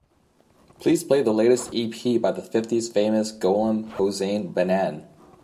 Please play the latest ep by the fifties famous Gholam Hossein Banan.